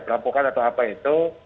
perampokan atau apa itu